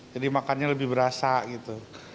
jadi makannya lebih berasa gitu